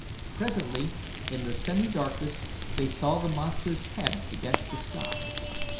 Presently in the semi darkness they saw the monster's head against the sky.